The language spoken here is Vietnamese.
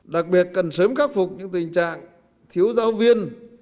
đặc biệt cần sớm khắc phục những tình trạng thiếu giáo viên